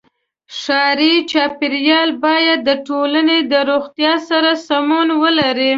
ښاري چاپېریال باید د ټولنې د روغتیا سره سمون ولري.